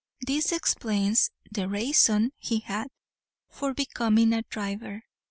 This explains "the rayson he had" for becoming driver.